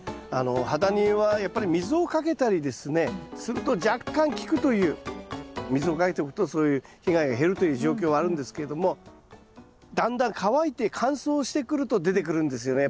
ハダニはやっぱり水をかけたりですねすると若干効くという水をかけておくとそういう被害が減るという状況はあるんですけれどもだんだん乾いて乾燥してくると出てくるんですよね